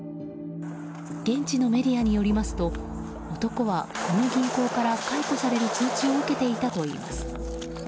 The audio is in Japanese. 現地のメディアによりますと男は、この銀行から解雇される通知を受けていたといいます。